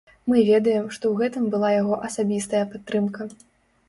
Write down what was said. Мы ведаем, што ў гэтым была яго асабістая падтрымка.